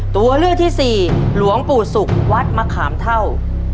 ตัวเลือกที่สี่หลวงปู่ศุกร์วัดมะขามเท่า